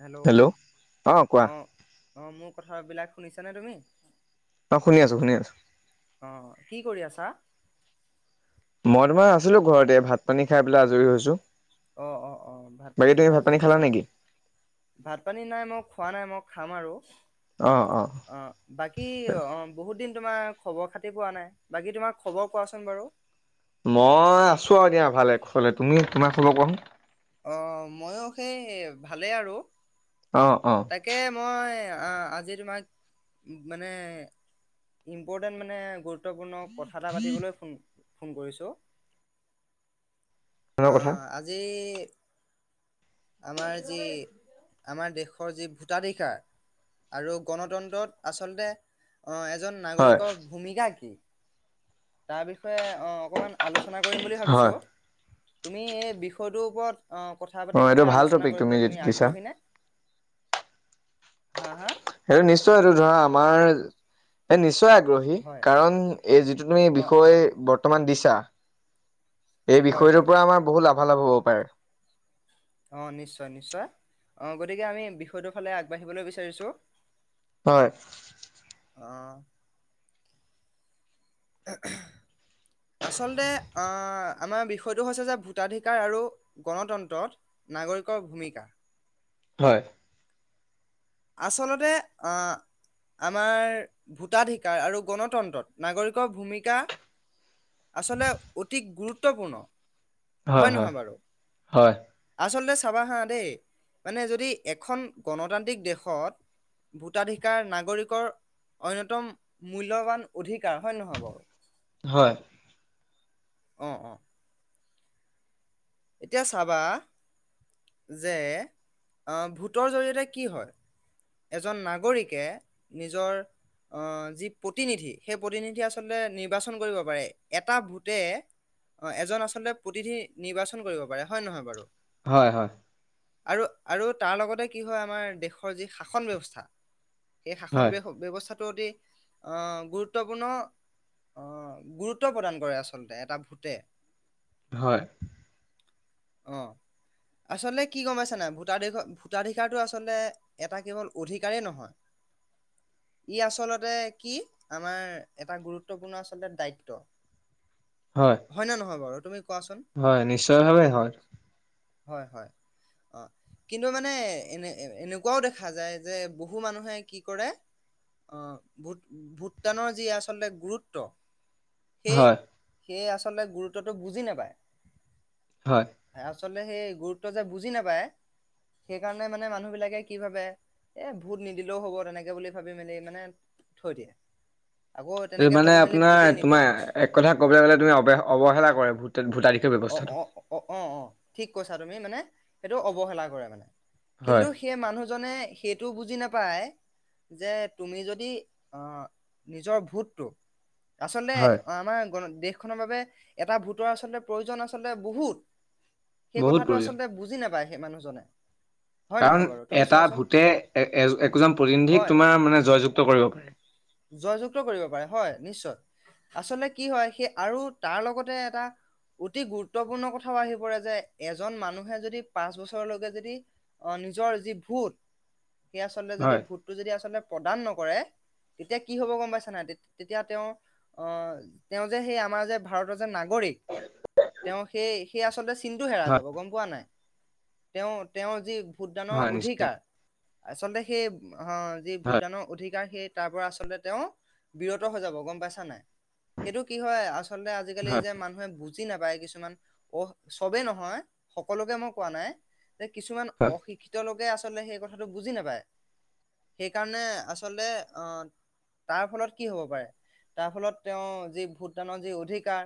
Hello অ কোৱা অঁ। অ মোৰ কথাবিলাক শুনিছানে তুমি? অ শুনি আছো শুনি আছো অহ, কি কৰি আছা? মই তোমাৰ আছিলো ঘৰতে, ভাত পানী খাই পেলাই আজৰি হৈছো। অ অ অ, ভাত বাকী পানী তুমি খাই ভাত আজৰি খালা হৈছা ন নেকি ভাত পানী নাই মোক। খোৱা নাই মই খাম আৰু। অ বাকী অ বহুত দিন। তোমাৰ খবৰ খাতি পোৱা নাই, বাকী তোমাৰ খবৰ কোৱাচোন বাৰু। মই আছো আৰু দিয়া ভালে কুশলে, তুমি তোমাক খবৰ কোৱাচোন। অ, মই ও সেই ভালেই আৰু। অ অ তাকে মই। আজি তোমাক মানে ইম্পৰ্টেণ্ট মানে। গুৰুত্বপূৰ্ণ কথা এটা পাতিবলৈ ফোন। ফোন কৰিছোঁ। তোমাৰ অ কথা আজি। আমাৰ যি। আমাৰ দেশৰ যি ভোটাধিকাৰ, আৰু গণতন্ত্ৰত আচলতে। অঁ, এজন হয় নাগৰিকৰ ভূমিকা কি? তাৰ বিষয়ে অ অকণমান আলোচনা। ৰচনা কৰিম বুলি ভাবিছোঁ। হয় তুমি এই বিষয়টোৰ ওপৰত। অ, কথা এইটো পাতিবলৈ ভাল আলোচনা টপিক কৰিবলৈ যিটো তুমি দিছা আগ্ৰহী নে? হা হা। সেইটো নিশ্চয় এইটো ধৰা আমাৰ এই নিশ্চয়। নিশ্চয় আগ্ৰহী হয় কাৰণ, এই যিটো তুমি অ অ বিষয় বৰ্তমান দিছা। টা। এই হয় হয় বিষয়টোৰ পৰা আমাৰ বহুত লাভ। ভাল হ'ব পাৰে। অঁ, গতিকে আমি বিষয়টোৰ ফালে আগবাঢ়িবলৈ বিচাৰিছোঁ। হয় অ আচলতে অ আমাৰ বিষয়টো হৈছে যে ভোটাধিকাৰ আৰু গণতন্ত্ৰত নাগৰিকৰ ভূমিকা। হয় আচলতে অ আমাৰ ভোটাধিকাৰ আৰু গণতন্ত্ৰত নাগৰিকৰ ভূমিকা আচলতে অতি গুৰুত্বপূৰ্ণ? হয় নহয় বাৰু হয় আচলতে? চাবা হা দেই মানে যদি এখন গণতান্ত্ৰিক দেশত ভোটাধিকাৰ নাগৰিকৰ অন্যতম মূল্যবান অধিকাৰ হয় নহয় বাৰু। হয় উ অ এতিয়া চাবা যে ভোটৰ জৰিয়তে কি হয়। এজন নাগৰিকে নিজৰ আহ যি প্ৰতিনিধি সেই প্ৰতিনিধি আচলতে নিৰ্বাচন কৰিব পাৰে এটা ভোটে এজন আচলতে প্ৰতিনিধি নিৰ্বাচন কৰিব পাৰে হয় নহয় বাৰু? হয় হয় আৰু আৰু তাৰ লগতে কি হয় আমাৰ দেশৰ যি। শাসন ব্যৱস্থা। এই শাসন হয় হয় ব্যৱস্থা। অতি আহ গুৰুত্বপূৰ্ণ আহ গুৰুত্ব প্ৰদান কৰে আচলতে এটা ভোটে। হয় অ আচলতে কি গম পাইছ নাই ভোটাাধিক ভোটাধিকাৰতো আচলতে তাৰ? এটা কেৱল অধিকাৰেই নহয় ই আচলতে কি আমাৰ এটা গুৰুত্বপূৰ্ণ আচলতে দ্বায়িত্ব। হয় ন নহয় বাৰু। তুমি কোৱাচোন হয় নিশ্চয় ভাৱে হয়। হয় হয় অ কিন্তু মানে এনে এনেকুৱা। এনেকুৱাও দেখা যায় যে বহু মানুহে কি কৰে ভোট ভোটদানৰ যি আচলতে গুৰুত্ব? হয় সেয়ে আচলতে গুৰুত্বতটো বুজি নাপায়? হয় আচলতে সেই গুৰুত্ব যে বুজি নাপায় সেইকাৰণে মানে মানুহ বিলাকে? কি ভাবে এ ভোট নিদিলেও হ'ব তেনেকে বুলি ভাবি মেলি মানে থৈ দিয়ে? আকৌ এই তেনেকে মানে ভাবি মেলি ভোটেই আপোনাৰ নিদিয়ে তোমাৰ মানে এক কথা কবলৈ গ'লে তুমি অৱে অৱহেলা কৰে ভোট ভোটাধি? অ অ অ অ অ ঠিক কৈছা তুমি। মানে সেইটো অৱহেলা কৰে মানে। হয় কিন্তু সেই মানুহজনে সেইটোও বুজি নাপায়? পাই যে তুমি যদি আহ নিজৰ ভূতটোক। আচল হয় আমাৰ গ। দেশখনৰ বাবে এটা ভোটৰ আচলতে? প্ৰয়োজন আচলতে বহুত। সেই বহুত কথাটো প্ৰয়োজন আচলতে বুজি নাপাইছে? সেই মানুহজনে। হয় কাৰণ নহয় বাৰু তুমি এটা চোৱাচোন ভূতে একোজন হয় প্ৰতিনিধিকিক তোমাৰ মানে জয়যুক্ত কৰিব পাৰে। জয়যুক্ত কৰিব পাৰে হয়, নিশ্চয়। আচলতে কি হয় সেই আৰু তাৰ লগতে এটা অতি গুৰুত্বপূৰ্ণ কথাও আহি পৰে যে এজন মানুহে যদি পাঁচ বছৰলৈকে যদি অহ নিজৰ যি ভূত। সেই আচলতে যদি হয় ভোতটো যদি আচলতে প্ৰদান নকৰে তেতিয়া কি হ'ব গম পাইছা নাই? তেতিয়া তেওঁ অহ তেওঁ যে সেই আমাৰ যে ভাৰতৰ যে নাগৰিক তেওঁ সেই সেই আচলতে চিন্তটো হেৰা হয় যাব গম পোৱা নাই? তেওঁ-তেওঁৰ যি ভোটদানৰ হয় নিশ্চয় অধিকাৰ আচলতে সেই অ যি হয় ভোটদানৰ অধিক যাৰ হে তাৰ পৰা আচল্ততে তেওঁ বিৰত হৈ যাব গম পাইছা নাই? সেইটো কি হয় আলতে আজিকালি এই হয় যে মানুহে বুজে বুজি নাপায় কিছুমান, অ চবেই নহয়। সকলোকে মই কোৱা নাই। যে কিছুমান হয় অশিক্ষিত লোকে আছে আচল সেই কথাটো বুজি নাপায়। সেইকাৰণে আচলতে অহ তাৰ ফলত কি হ'ব পাৰে? তাৰ ফলত তেওঁ যি ভূটদানৰ যি অধিকাৰ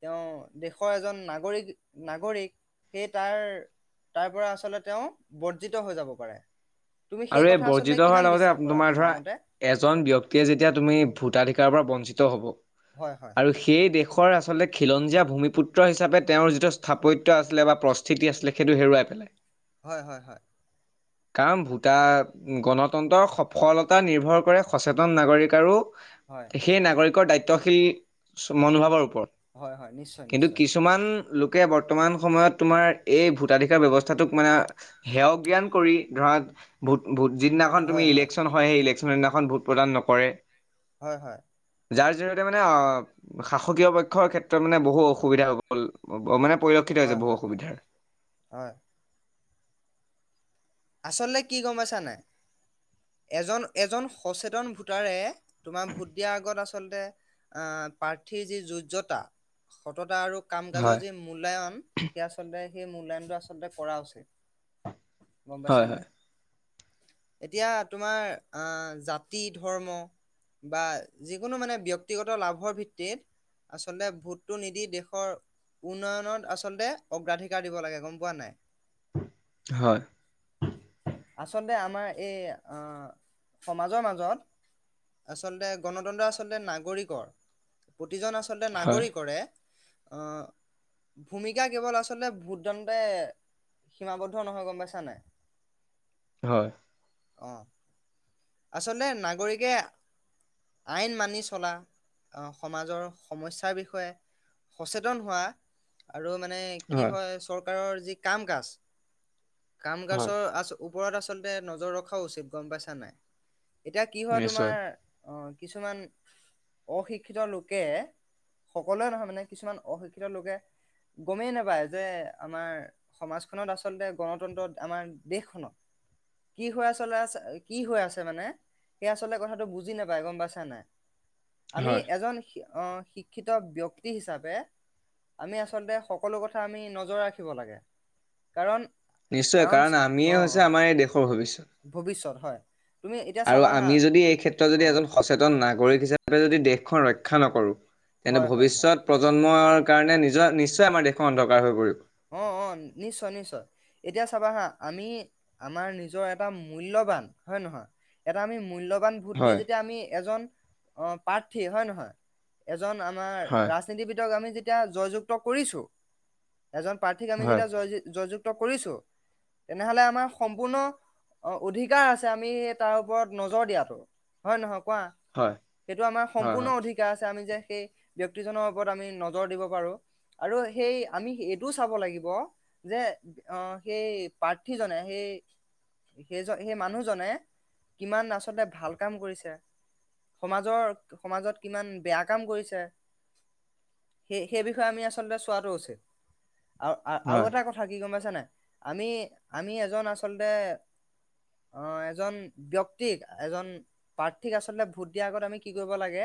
তেওঁ দেশৰ এজন নাগৰিক-নাগৰিক সেই তাৰ তাৰ পৰা আচলতে তেওঁ বৰ্জিত হৈ যাব পাৰে। তুমি সেই আৰু এই কথা আচলতে বৰ্জিত হোৱাৰ কিমান লগতে বিশ্বাস কৰা ধৰা তোমাৰ মতে? এজন ব্যক্তিয়ে যেতিয়া তুমি ভোটাধিকাৰৰ পৰা বঞ্চিত হ'ব। হয় হয় আৰু সেই দেশ দেশৰ আচলতে খিলঞ্জীয়া ভূমিপুত্ৰ হিচাপে তেওঁৰ যিটো স্থাপত্যৰ আছিলে বা প্ৰস্থিতি আছিলে সেইটো হেৰুৱাই পেলাই। হয়-হয়-হয় কাম ভূত এা গণতন্ত্ৰৰ সফলতা নিৰ্ভৰ কৰে সচেতন নাগৰিক আৰু হয় সেই নাগৰিকৰ দায়িত্ব মনোভাৱৰ ওপৰত। হয়-হয় নিশ্চয়-নিশ্চয়। তোকে বৰ্তমান সময়ত তোমাৰ এই ভোটাধিকাৰ ব্যৱস্থাটোক মানে সেৱ জ্ঞান কৰি ধৰা। ভোট ভোট যদিনাখন তুমি ইলেকশ্যন হয় সেই ইলেকশ্যন। ভোট প্ৰদান নকৰে। হয়-হয়। যাৰ জৰিয়তে মানে অ শাসকীয় পক্ষৰ ক্ষেত্ৰত মানে বহু অসুবিধা হ'ব মানে পৰিলক্ষিত হয় হৈছে বহু হয় হয় অসুবিধাৰ। হয় আচলতে কি গম পাইছা নাই? এজন-এজন সচেতন ভোটাৰে তোমাৰ ভোট দিয়াৰ আগত আচলতে আহ প্ৰাৰ্থীৰ যি যোজ্যতা সততা আৰু কাম কাজৰ হয় যি মূল্যয়ন সেই আচলতে সেই মূল্যায়নটো আচলতে কৰা উচিত। [unintelligible] পাইছা হয় নাই? এতিয়া তোমাৰ আহ জাতি, ধৰ্ম বা যিকোনো মানে ব্যক্তিগত লাভৰ ভিত্তিত আচলতে ভোটটো নিদি দেশৰ উন্নয়নত আচলতে অগ্ৰাধিকাৰ দিব লাগে, গম পোৱা নাই? হয়। আচলতে আমাৰ এই সমাজৰ মাজত আচলতে গণতন্ত্ৰ আচলতে নাগৰিকৰ। প্ৰতিজন আচলতে হয় নাগৰিকৰে ভূমিকা কেৱল আচলতে ভোটদানতে সীমাবদ্ধ নহয়, গম পাইছানাই? হয়। অঁ। আচলতে নাগৰিকে আইন মানি চলা, সমাজৰ সমস্যাৰ বিষয়ে সচেতন হোৱা। আৰু মানে কি হয় চ। চৰকাৰৰ যি কাম কাজ। কাম হয় কাজৰ ও। ওপৰত আচলতে নজৰ ৰখাও উচিত গম পাইছা নাই। এতিয়া কি হয় তোমাৰ নিশ্চয় অ কিছুমান অশিক্ষিত লোকে সকলোৱে নহয় মানে কিছুমান অশিক্ষিত লোকে গমেই নাপায় যে আমাৰ সমাজখনত আচলতে গণতন্ত্ৰত আমাৰ দেশখনত, কি হৈ আচল আছে কি হৈ আছে মানে সেই আচলতে কথাটো বুজি নাপায়, গম পাইছা নাই? আমি হয় এজন শিক্ষিত ব্যক্তি হিচাপে আমি আচলতে সকলো কথা আমি নজৰ ৰাখিব লাগে কাৰণ। নিশ্চয় কাৰণ অ আমিয়ে হৈছে অ আমাৰ এই দেশৰ ভৱিষ্যত। ভৱিষ্যত হয়। তুমি এতিয়া আৰু চাবা হা আমি যদি এই ক্ষেত্ৰত যদি অ এজন সচেতন নাগৰিক হিচাপে। তাতে যদি দেশখন ৰক্ষা নকৰোঁ, তেন্ত হয় হয় হয় ভৱিষ্যয়ত প্ৰজন্মৰ কাৰণে নিজৰ নিশ্চয় আমাৰ দেশৰ অন্ধকাৰ হৈ পৰিব। অ অ নিশ্চয় নিশ্চয় এতিয়া চাবা হা আমি আমাৰ নিজৰ এটা মূল্যৱান হয় নহয় এটা আমি মূল্যৱান। ভোট দি হয়, যেতিয়া আমি এজন অ পাৰ্থী হয়, নহয় আমাৰ হয়, ৰাজনীতিবিদক আমি এতিয়া জয়যুক্ত কৰিছো এজন প্ৰাৰ্থীক আমি হয়, যেতিয়া জয়-জোগ কৰিছো, তেনেহলে আমাৰ সম্পূৰ্ণ অধিকাৰ আছে আমি তাৰ ওপৰত নজৰ দিয়াটো হয়ে নহয় কোৱা, হয়, সেইটো আমাৰ হয়, হয়, সম্পূৰ্ণ অধিকাৰ আছে আমি যে সেই ব্ক্তিজনৰ ওপৰত আমি নজৰ দিব পাৰো আৰু সেই আমি এইটো চাব লাগিব যে অ সেই প্ৰাৰ্থীজনে সেই-সেই-সেই মানুহজনে কিমান আচলতে ভাল কাম কৰিছে, সমাজৰ-সমাজত কিমান বেয়া কাম কৰিছে, সেই-সেই বিষয়ে আমি আচলতে চোৱাটো উচিত। আৰু-আৰু হয়। এটা কথা কি গম পাইছানে নাই আমি-আমি এজন আচল্ততে, আহ এজন ব্ক্তিক এজন প্ৰাৰ্থীক আচল্ততে ভোট দিয়া। আগত আমি কি কৰিব লাগে,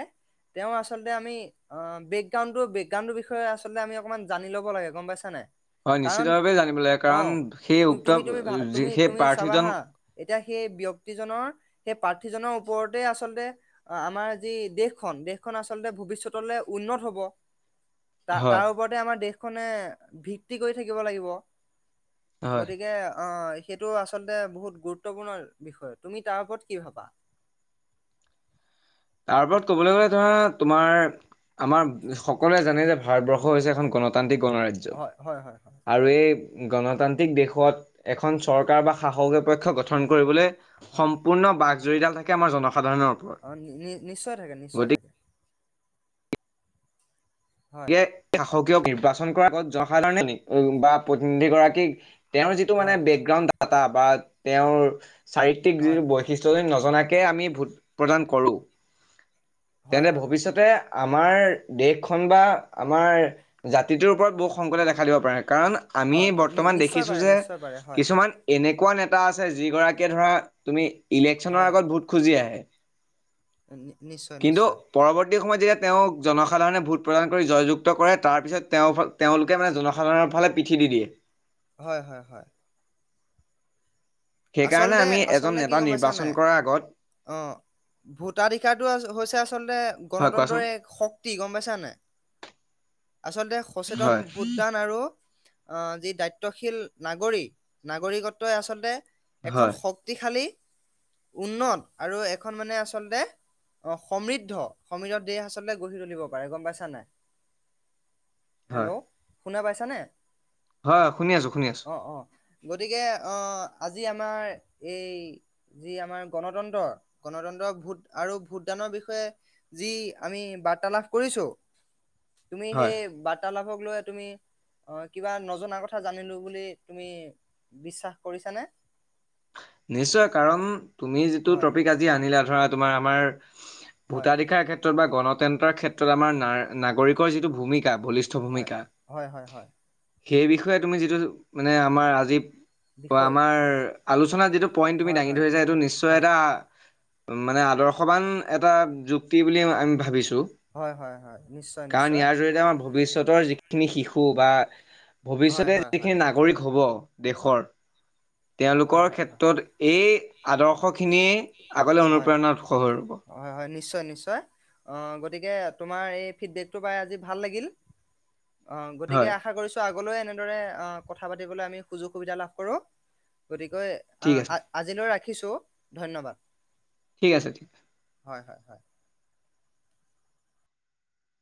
তেওঁওৰ আচলতে আমি আহ বেকগ্ৰাউণ্ডো-বেকগ্ৰাউণ্ডৰ বিষয়ে আচলতে আমি অকনমান জানি লব লাগে। গম পাইছা [unintelligible] হয় নিশ্চিত কাৰণ ভাৱে জানিব লাগে অ কাৰণ সেই তু- উক্ত, তুমি তুমি ভা তুমি সেই তুমি চাবা প্ৰাৰ্থীজন। হা এতিয়া সেই ব্যক্তিজনৰ, সেই প্ৰাৰ্থীজনৰ ওপৰতে আচলতে আমাৰ যি দেশখন, দেশখন আচলতে ভৱিষ্যতলৈ উন্নত হ'ব। তা-তাৰ হয়, ওপৰতে আমাৰ দেশ কনে ভিত্তি কৰি থাকিব লাগিব। হয় গতিকে অ। সেইটো আচলতে বহুত গুৰুত্বপূৰ্ণ বিষয়, তুমি তাৰ ওপৰত কি ভাবা? তাৰ ওপৰত ক'বলৈ গ'লে ধৰা তোমাৰ আমাৰ সকলোৱে জানে যে ভাৰতবৰ্ষ হৈছে। এখন গণতান্ত্ৰিক গণৰাজ্য হয় হয় হয় হয় আৰু এই গণতান্ত্ৰিক দেশত এখন চৰকাৰ বা শাসকীয় পক্ষ গঠন কৰিবলৈ। হয় সম্পূৰ্ণ বাঘ জৰিডাল থাকে আমাৰ জন সাধাৰণ। সাধাৰণৰ ওপৰত অ নি নি- নিশ্চয় থাকে, নিশ্চয় গতিকে থাকে। হয় এয়া সাখক। অ'কে! অ'কে! নিৰ্বাচন কৰাৰ আগত জনসাধাৰণে, বা প্ৰতিনিধি গৰাকীক তেওঁৰ যিটো মানে হয় বেকগ্ৰাণ্ড বা তেওঁৰ চাৰিত্ৰিক হয় যিটো বৈশিষ্ট যে নজনাকে আমি ভোট প্ৰদান কৰোঁ। হয় তেনে হয় হয় ভৱিষ্যতে। আমাৰ দেশখন বা আমাৰ জাতিটোৰ ওপৰত বহু সংকটে দেখা দিব পাৰে। কাৰণ অ আমি নি- নি- বৰ্তমান নিশ্চয় দেখিছোঁ পাৰে যে নিশ্চয় পাৰে হয় কিছুমান এনে এনেকুৱা নেতা আছে যিগৰাকীয়ে ধৰা, তুমি ইলেকশ্যনৰ হয় আগত ভোট খুজি আহে। নিশ্চয়, কিন্তু নিশ্চয়। সময়ত পৰৱৰ্তী যেতিয়া তেওঁক জনসাধাৰণে ভোট প্ৰদান জয়যুক্ত কৰে, তাৰ পিছত, তেওঁ, তেওঁলোকে মানে জনসাধাৰণৰ ফালে পিঠি দি দিয়ে। হয়। হয়। হয়। সেইকাৰণে আচলতে আমি এজন আচলতে কি নেতা গম পাইছা নিৰ্বাচন নাই? কৰাৰ আগত অ, ভোটাধিকাৰটো হৈছে আচলতে, হয় কোৱাচোন গণতন্ত্ৰৰেই এক শক্তি, গম পাইছা নাই? আচলতে সচেতন হয় ভোটদান আৰু আহ, যি দায়িত্বশীল নাগৰিক, নাগৰিকত্বই আচলতে এখন হয় শক্তিশালী উন্নত, আৰু এখন মানে আচলতে‌ সমৃদ্ধ, সমৃদ্ধ দেশ আচলতে গঢ়ি তুলিব পাৰে গম পাইছা নাই? হয় হেল্ল' শুনা পাইছানে? হয় শুনি আছোঁ, শুনি আছোঁ। অ অ গতিকে অ আজি আমাৰ এই যি আমাৰ গণতন্ত্ৰ, গণতন্ত্ৰ ভোট আৰু ভোটদানৰ বিষয়ে যি আমি বাৰ্তালাপ কৰিছোঁ তুমি হয় সেই বাৰ্তালাপক লৈ তুমি, অ কিবা নজনা কথা জানিলো বুলি, তুমি বিশ্বাস কৰিছানে? নিশ্চয়, কাৰণ তুমি যিটো হয় ট'পিক আজি আনিলা ধৰা তোমাৰ আমাৰ হয় ভোটাধিকাৰ ক্ষেত বা গণতন্ত্ৰৰ ক্ষেত্ৰত, আমাৰ নাগৰিকৰ যিটো ভূমিকা বলিষ্ঠ হয় ভূমিকা। হয় হয় হয় সেই বিষয়ে তুমি যিটো মানে আমাৰ আজি অ বিষয় আমাৰ আলোচনা যিটো পইনট তুমি হয় দাঙি হয় ধৰিছা এইটো নিশ্চয় হয় এটা মানে আদৰ্শবান এটা যুক্তি বুলি আমি ভাবিছো হয় হয় হয় নিশ্চয় কাৰণ নিশ্চয় ইয়াৰ জৰিয়তে আমাৰ ভৱিষ্যত ওপৰত খিনি শিশু বা হয় ভৱিষ্যতে হয় হয় যিখিনি নাগৰিক হ'ব দেশৰ হয় তেওঁলোকৰ হয় হয় ক্ষেত্ৰত এই আদৰ্শখিনিয়ে আগলৈ হয় অনুপ্ৰেৰণা উৎসৱ হৈ ৰ'ব হয় হয় নিশ্চয় নিশ্চয় অ গতিকে তোমাৰ এই ফিক্সদেটোৰ পাই আজি ভাল লাগিল অ গতিকে হয় আশা কৰিছো আগলৈ এনেদৰে কথা পাতিবলৈ আমি সুযোগ সুবিধা লাভ কৰো গতিকে অ ঠিক আছে আজিলৈ ৰাখি ৰাখিছো ধন্যবাদ। ঠিক আছে ঠিক হয় হয় হয়